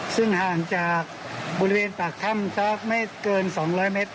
ซึ่งห่างจากบริเวณปากถ้ำสักไม่เกิน๒๐๐เมตร